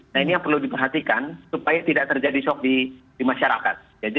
nah ini yang perlu diperhatikan supaya tidak terjadi shock di masyarakat